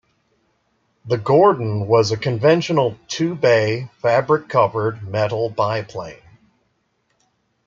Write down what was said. The Gordon was a conventional two-bay fabric-covered metal biplane.